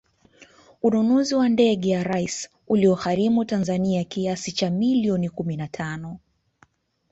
Ununuzi wa ndege ya Rais ulioigharimu Tanzania kiasi cha milioni kumi na tano